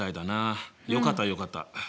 よかったよかった。